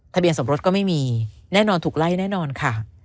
ทะเบียนสมรสก็ไม่มีแน่นอนถูกไล่แน่นอนค่ะ